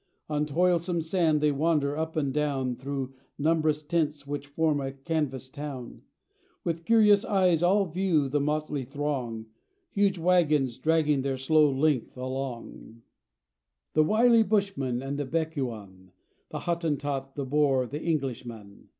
On toilsome sand they wander up and down, Through numb'rous tents which form a canvas town; With curious eyes all view the motley throng, Huge waggons dragging their slow length along, The wily Bushman and the Bechu'an, The Hottentot, the Boer, and Englishman.